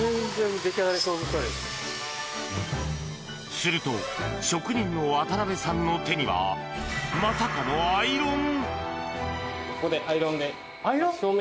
すると職人の渡邊さんの手にはまさかの、アイロン？